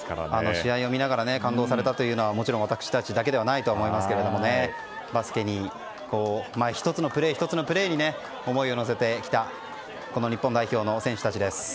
試合を見ながら感動されたのはもちろん私たちだけではないと思いますがバスケ１つ１つのプレーに思いを乗せた日本代表の選手たちです。